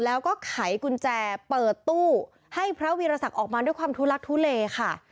แล้วก็ไขกุญแจเปิดตู้ให้พระวีรศักดิ์ออกมาด้วยความทุลักทุเลค่ะ